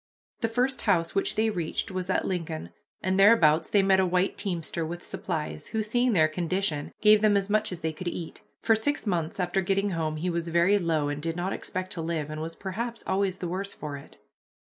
The first house which they reached was at Lincoln, and thereabouts they met a white teamster with supplies, who, seeing their condition, gave them as much as they could eat. For six months after getting home he was very low and did not expect to live, and was perhaps always the worse for it.